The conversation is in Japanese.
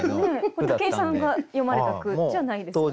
武井さんが詠まれた句じゃないですよね。